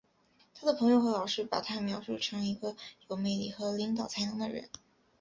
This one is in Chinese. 他的朋友和老师把他描述成一个有魅力的和领导才能的人。